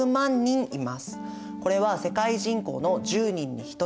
これは世界人口の１０人に１人。